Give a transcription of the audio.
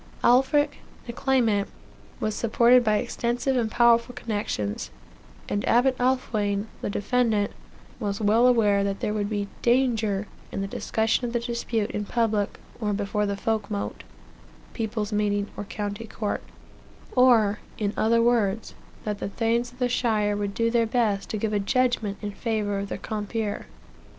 Alfric, the claimant, was supported by extensive and powerful connexions; and Abbot Alfwine, the defendant, was well aware that there would be danger in the discussion of the dispute in public, or before the Folkmoot, (people's meeting, or county court); or, in other words, that the Thanes of the shire would do their best to give a judgment in favor of their compeer.